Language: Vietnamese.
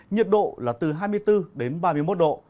nhiệt độ là từ hai mươi bốn đến ba mươi một độ